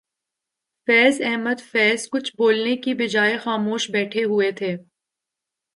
فیض احمد فیض کچھ بولنے کی بجائے خاموش بیٹھے ہوئے تھے